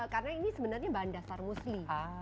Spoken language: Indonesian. karena ini sebenarnya bahan dasar musli